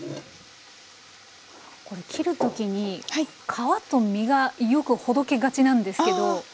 これ切る時に皮と身がよくほどけがちなんですけど。